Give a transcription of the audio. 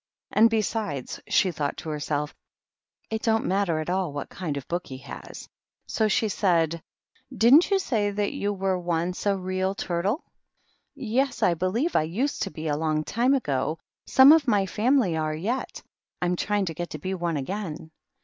"And be sides," she thought to herself, "it don't matter at all what kind of book he has." So she said, —" Didn't you say that you were once a Real Turtle?" " Yes, I believe I used to be, a long time ago. Some of my family are yet. I'm trying to get to be one again."